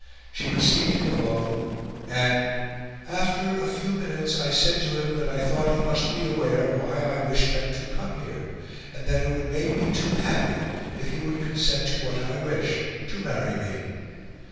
She received him alone, and "after a few minutes I said to him that I thought he must be aware why I wished them to come here and that it would make me too happy if he would consent to what I wished (to marry me.)"